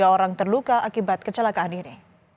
tiga orang terluka akibat kecelakaan ini